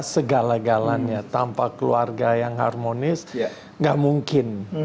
sekala galanya tanpa keluarga yang harmonis gak mungkin